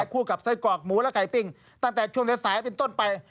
คู่กับไส้กรอกหมูและไก่ปิ้งตั้งแต่ช่วงสายเป็นต้นไป